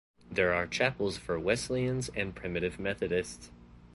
There are chapels for Wesleyans and Primitive Methodists.